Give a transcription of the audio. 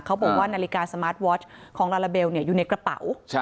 เขาบอกว่านาฬิกาสมาร์ทวอชของลาลาเบลอยู่ในกระเป๋า